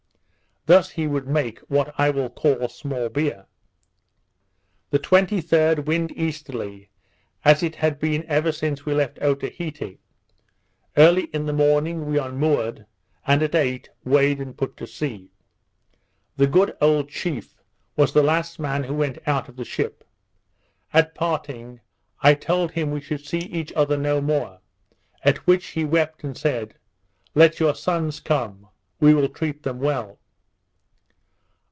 Thus he would make what I will call small beer. The 23d, wind easterly, as it had been ever since we left Otaheite. Early in the morning, we unmoored, and at eight weighed and put to sea. The good old chief was the last man who went out of the ship. At parting I told him we should see each other no more; at which he wept, and said, "Let your sons come, we will treat them well."